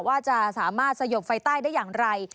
ว่าจะสามารถสยบไฟใต้ได้อย่างไร